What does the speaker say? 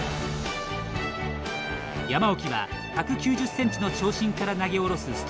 山沖は１９０ｃｍの長身から投げ下ろす